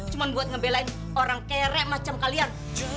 cuma buat ngebelain orang kere macam kalian